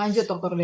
lanjut dokter lola